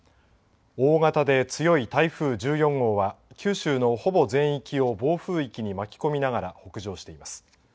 大型で強い台風１４号は九州のほぼ全域を暴風域に巻き込みながら北上しています。